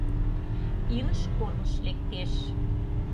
Илыш корныш лектеш.